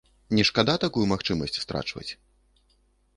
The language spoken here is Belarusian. Не шкада такую магчымасць страчваць?